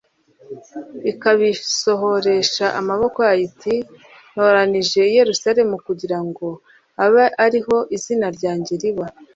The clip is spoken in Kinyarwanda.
ikabisohoresha amaboko yayo iti ntoranije i yerusalemu, kugira ngo abe ari ho izina ryanjye riba